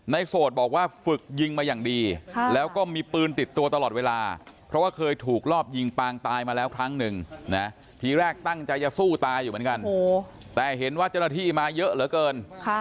ในโสดบอกว่าฝึกยิงมาอย่างดี